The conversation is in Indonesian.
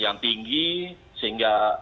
yang tinggi sehingga